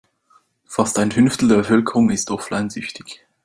Fast ein Fünftel der Bevölkerung ist offline-süchtig.